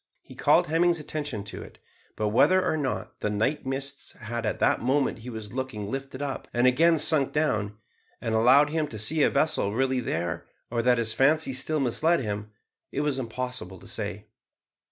He called Hemming's attention to it, but whether or not the night mists had at the moment he was looking lifted up, and again sunk down, and allowed him to see a vessel really there, or that his fancy still misled him, it was impossible to say.